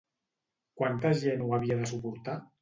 Quanta gent ho havia de suportar?